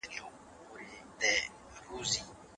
پلار زموږ په ژوند کي د ثبات او امن ریښتینی ضامن دی.